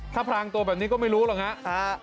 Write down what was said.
ถ้าพรางตัวแบบนี้ก็ไม่รู้หรอกครับ